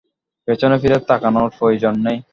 পেছন ফিরে তাকানর প্রয়োজন নেই।